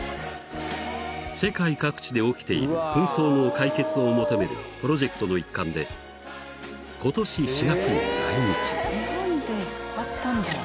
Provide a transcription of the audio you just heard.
［世界各地で起きている紛争の解決を求めるプロジェクトの一環で今年４月に来日］